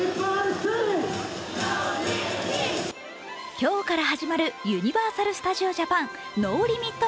今日から始まるユニバーサル・スタジオ・ジャパンＮＯＬＩＭＩＴ！